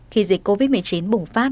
khi dịch covid một mươi chín bùng phát